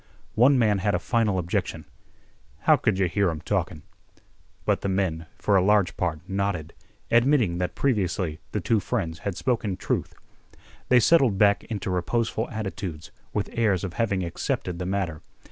One man had a final objection: "How could yeh hear 'em talkin'?" But the men, for a large part, nodded, admitting that previously the two friends had spoken truth. They settled back into reposeful attitudes with airs of having accepted the matter.